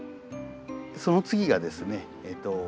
その次がですね